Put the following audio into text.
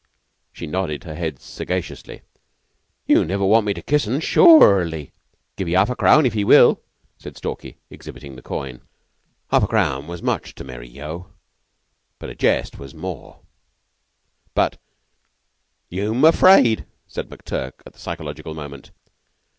She nodded her head sagaciously. "You niver want me to kiss un sure ly?" "Give 'ee half a crown if 'ee will," said Stalky, exhibiting the coin. Half a crown was much to Mary Yeo, and a jest was more; but "Yeu'm afraid," said McTurk, at the psychological moment.